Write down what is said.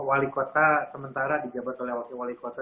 wali kota sementara di jabat lewati wali kota